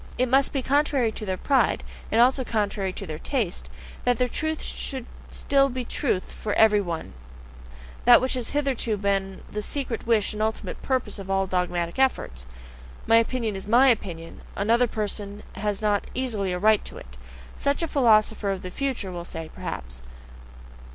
It must be contrary to their pride, and also contrary to their taste, that their truth should still be truth for every one that which has hitherto been the secret wish and ultimate purpose of all dogmatic efforts. "My opinion is MY opinion: another person has not easily a right to it" such a philosopher of the future will say, perhaps.